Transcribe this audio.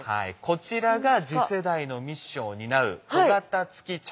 こちらが次世代のミッションを担う小型月着陸実証機